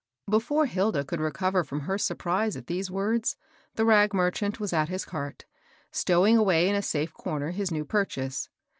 Before Hilda could recover from her surprise at these words, the rag merchant was at his cart, stowing away in a safe comer his new purchase.